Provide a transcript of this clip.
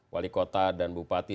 wali kota dan bupati